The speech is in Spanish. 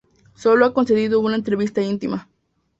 Solo ha concedido una entrevista íntima.